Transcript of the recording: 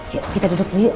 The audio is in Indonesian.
yuk kita duduk dulu yuk